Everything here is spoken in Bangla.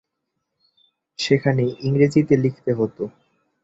সেখানে ইংরেজিতে লিখতে হতো।